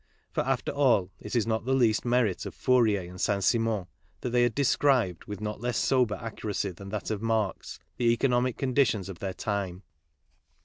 for, after all, it is not the least merit of Fourier and' Saint Simon that they had described with not less sober accuracy than that of Marx the economic conditions of their time.